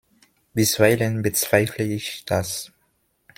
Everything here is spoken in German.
Bisweilen bezweifle ich das.